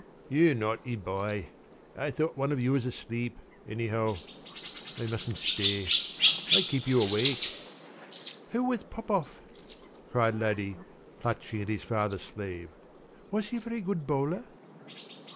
p> "You naughty boy! I thought one of you was asleep, anyhow. I mustn't stay. I keep you awake." "Who was Popoff?" cried Laddie, clutching at his father's sleeve. "Was he a very good bowler?"